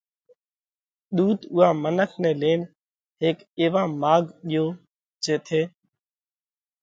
ۮُوت اُوئا منک نئہ لينَ هيڪ ايوا ماڳ ڳيو جيٿئہ